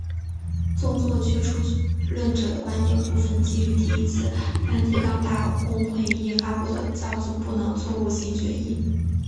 宗座缺出论者的观点部分基于第一次梵蒂冈大公会议发布的教宗不能错误性决议。